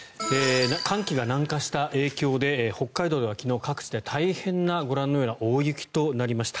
寒気が南下した影響で北海道では昨日、各地では大変なご覧のような大雪となりました。